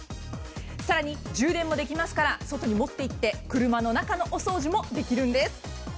更に充電もできますから外に持って行って車の外のお掃除もできます。